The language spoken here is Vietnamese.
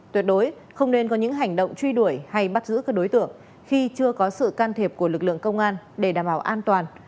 tuyệt đối không nên có những hành động truy đuổi hay bắt giữ các đối tượng khi chưa có sự can thiệp của lực lượng công an để đảm bảo an toàn